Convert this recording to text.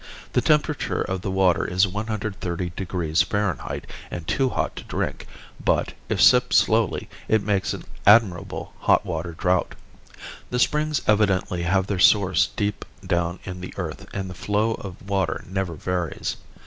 The temperature of the water is 130 degrees Fahrenheit and too hot to drink but, if sipped slowly, it makes an admirable hot water draught. The springs evidently have their source deep down in the earth and the flow of water never varies.